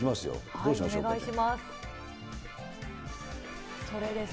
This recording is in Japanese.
お願いします。